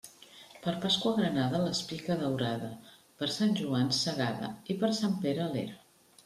Per Pasqua granada, l'espiga daurada; per Sant Joan, segada, i per Sant Pere, a l'era.